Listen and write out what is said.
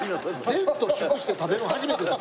前途を祝して食べるの初めてです。